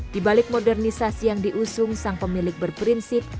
di balik modernisasi yang diusung sang pemilik berprinsip